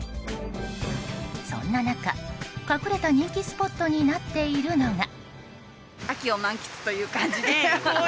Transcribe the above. そんな中、隠れた人気スポットになっているのが。